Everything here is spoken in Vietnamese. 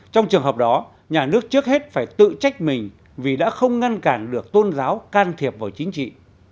trong trường hợp đó nhà nước trước hết phải tự trách mình vì đã không ngăn cản được tôn giáo can thiệp vào chính trị